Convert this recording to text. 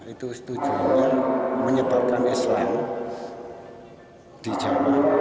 itu setujunya menyebalkan islam di jawa